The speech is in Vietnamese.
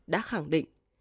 đã khẳng định